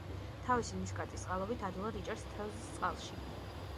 თავისი ნისკარტის წყალობით ადვილად იჭერს თევზს წყალში.